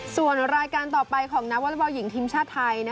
ส่วนรายการต่อไปของนักวอล์ฟเวอร์วอล์หญิงทีมชาติไทยนะคะ